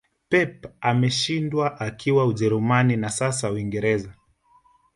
pep ameshindwa akiwa ujerumani na sasa uingereza